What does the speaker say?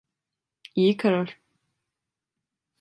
İyi karar.